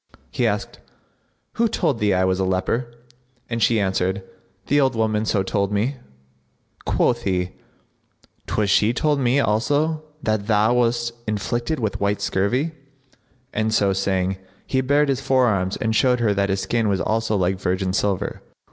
He asked, "Who told thee I was a leper?" and she answered, "The old woman so told me." Quoth he, "'Twas she told me also that thou wast afflicted with white scurvy;" and so saying, he bared his forearms and showed her that his skin was also like virgin silver.